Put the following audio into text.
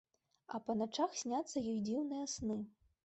А па начах сняцца ёй дзіўныя сны.